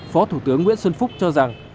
phó thủ tướng nguyễn xuân phúc cho rằng